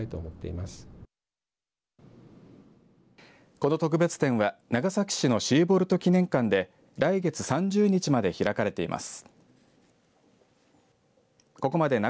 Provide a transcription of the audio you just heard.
この特別展は長崎市のシーボルト記念館で来月３０日まで開かれています。